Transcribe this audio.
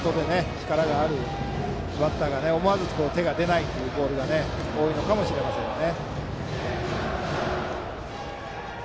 力があるバッターが思わず手が出ないボールが多いのかもしれませんね。